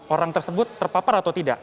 orang tersebut terpapar atau tidak